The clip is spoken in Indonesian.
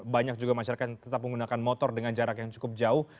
banyak juga masyarakat tetap menggunakan motor dengan jarak yang cukup jauh